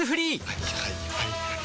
はいはいはいはい。